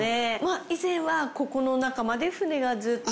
以前はここの中まで舟がずっと。